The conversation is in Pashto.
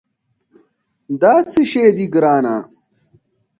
دا څه شي دي، ګرانه؟